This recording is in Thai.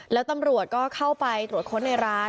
แล้วตำรวจก็เข้าไปตรวจค้นในร้าน